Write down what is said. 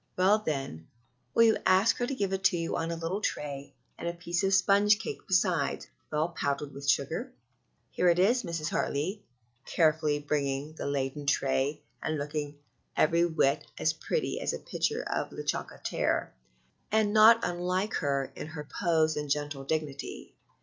"Well, then, will you ask her to give it to you on a little tray, and a piece of sponge cake besides, well powdered with sugar?" "Here it is, Mrs. Hartley," carefully bringing the laden tray, and looking every whit as pretty as the picture of La Chocolatière, and not unlike her in her pose and gentle dignity.